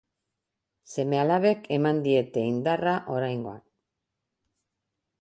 Seme alabek eman diete indarra oraingoan.